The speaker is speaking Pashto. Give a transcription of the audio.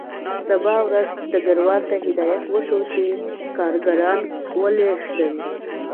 سبا ورځ ډګروال ته هدایت وشو چې کارګران ولېږدوي